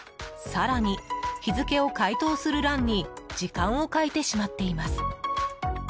更に、日付を回答する欄に時間を書いてしまっています。